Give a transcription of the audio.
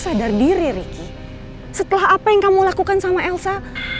sadar diri riki setelah apa yang kamu lakukan sama elsa